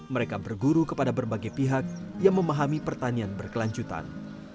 mereka berguru kepada berbagai pihak yang memahami pertanian berkelanjutan